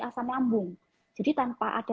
asam lambung jadi tanpa ada